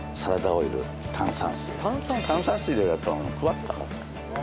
炭酸水を入れるとふわっと揚がる。